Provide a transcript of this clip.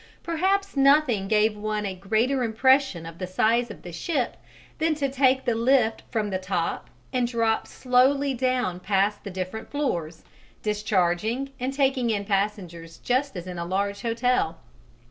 Perhaps nothing gave one a greater impression of the size of the ship than to take the lift from the top and drop slowly down past the different floors, discharging and taking in passengers just as in a large hotel.